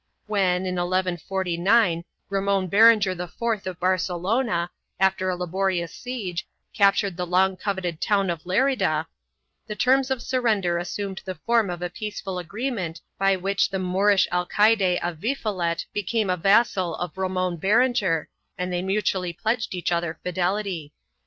2 When, in 1149, Ramon Berenger IV of Barcelona, after a laborious siege, captured the long coveted town of Lerida, the terms of surrender assumed the form of a peaceful agreement by which the Moorish Alcaide Avifelet became the vassal of Ramon Berenger and they mutually pledged each other fidelity.